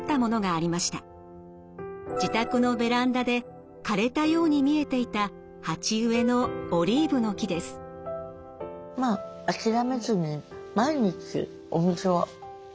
自宅のベランダで枯れたように見えていた鉢植えのオリーブの木です。って思って。